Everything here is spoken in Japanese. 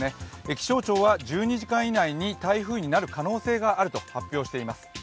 気象庁は１２時間以内に台風になる可能性があると発表しています。